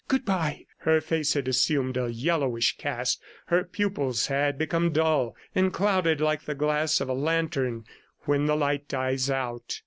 "Good bye!" Her face had assumed a yellowish cast, her pupils had become dull and clouded like the glass of a lantern when the light dies out.